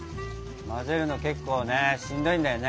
混ぜるの結構ねしんどいんだよね。